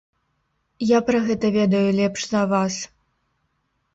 Я пра гэта ведаю лепш за вас.